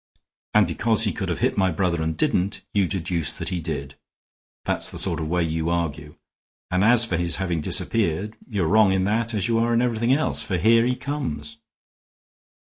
And because he could have hit my brother and didn't, you deduce that he did. That's the sort of way you argue. And as for his having disappeared, you're wrong in that as you are in everything else, for here he comes."